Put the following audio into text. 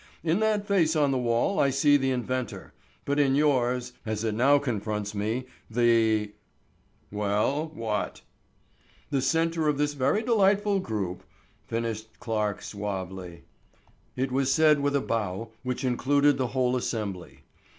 In that face on the wall I see the inventor, but in yours, as it now confronts me, the——" "Well, what?" "The centre of this very delightful group," finished Clarke, suavely. It was said with a bow which included the whole assembly.